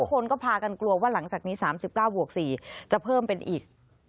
คนก็พากันกลัวว่าหลังจากนี้๓๙บวก๔จะเพิ่มเป็นอีก